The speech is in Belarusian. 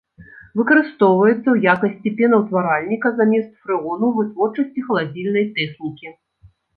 Выкарыстоўваецца ў якасці пенаўтваральніка замест фрэону ў вытворчасці халадзільнай тэхнікі.